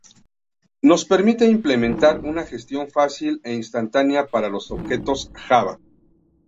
Nos permite implementar una gestión fácil e instantánea para los objetos Java.